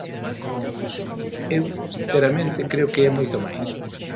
Eu, sinceramente, creo que é moito máis.